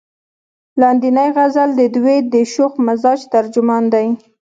لاندينے غزل د دوي د شوخ مزاج ترجمان دے ۔